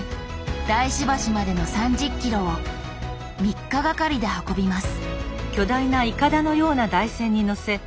大師橋までの３０ｋｍを３日がかりで運びます